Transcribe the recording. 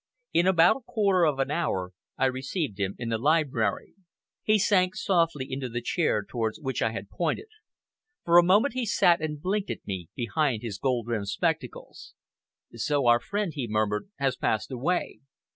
In about a quarter of an hour I received him in the library. He sank softly into the chair towards which I had pointed. For a moment he sat and blinked at me behind his gold rimmed spectacles. "So our friend," he murmured, "has passed away!